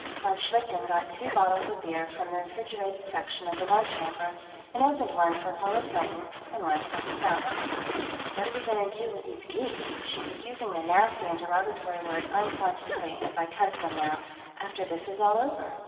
Von Schlichten got two bottles of beer from the refrigerated section of the lunch hamper and opened one for Paula Quinton and one for himself. "What are we going to do with these geeks," she was using the nasty and derogatory word unconsciously and by custom, now "after this is all over?